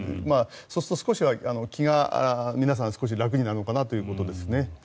そうすると少しは気が楽になるのかなということですね。